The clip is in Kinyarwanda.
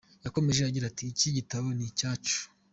Yakomeje agira ati “Iki gitabo ni icyacu.